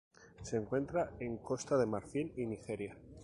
Se encuentra en Costa de Marfil y Nigeria.